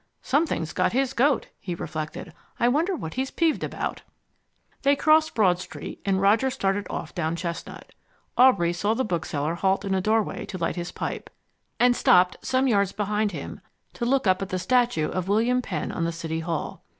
"Something's got his goat," he reflected. "I wonder what he's peeved about?" They crossed Broad Street and Roger started off down Chestnut. Aubrey saw the bookseller halt in a doorway to light his pipe, and stopped some yards behind him to look up at the statue of William Penn on the City Hall.